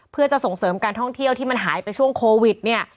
เพื่อจะส่งเสริมการท่องเที่ยวที่มันหายไปช่วงโควิดเนี่ย